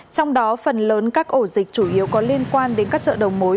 trong đó phần lớn các ổ dịch chủ yếu có liên quan đến các chợ đầu mối